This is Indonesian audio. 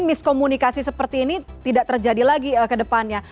miskomunikasi seperti ini tidak terjadi lagi ke depannya